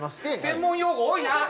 専門用語多いな！